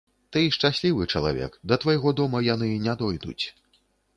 Ты шчаслівы чалавек, да твайго дома яны не дойдуць.